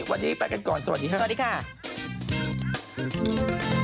วันนี้ไปกันก่อนสวัสดีครับสวัสดีค่ะ